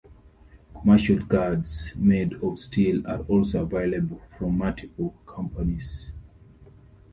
Commercial guards made of steel are also available from multiple companies.